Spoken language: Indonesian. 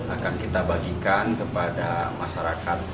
akan kita bagikan kepada masyarakat